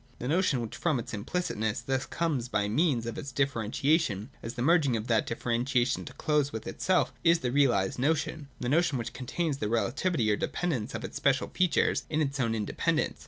The notion, which from its implicitness thus comes by means of its differentiation and the merging of that diflFerehtiation to close with itself, is the realised notion, — the notion which contains the relativity or dependence of its special features in its own independence.